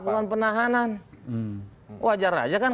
melawan penahanan wajar aja kan